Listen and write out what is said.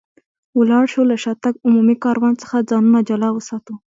ولاړ شو، له شاتګ عمومي کاروان څخه ځانونه جلا وساتو.